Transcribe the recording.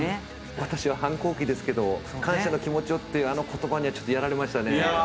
「私は反抗期ですけど感謝の気持ちを」っていうあの言葉にはちょっとやられましたね。